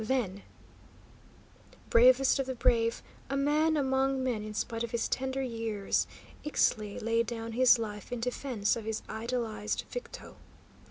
Then Bravest of the brave, a man among men in spite of his tender years, Ixtli laid down his life in defence of his idolised Victo.